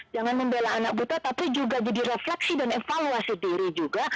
jangan membela anak buta tapi juga jadi refleksi dan evaluasi diri juga